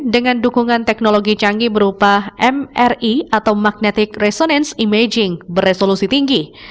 dengan dukungan teknologi canggih berupa mri atau magnetic resonance imaging beresolusi tinggi